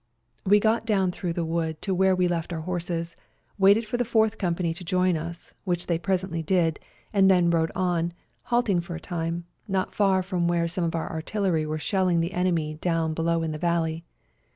We got down through the w^ood to where we left our horses, waited for the Fourth Company to join us, which they presently did, and then rode on, halting for a time, not far from where some of our artillery were shelling the enemy down below in the valley.